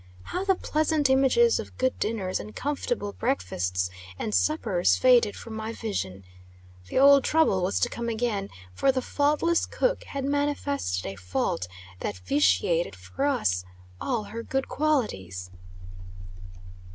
How the pleasant images of good dinners and comfortable breakfasts and suppers faded from my vision. The old trouble was to come back again, for the faultless cook had manifested a fault that vitiated, for us, all her good qualities.